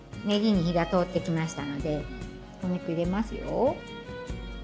ねぎに火が通ってきましたのでお肉入れますよ。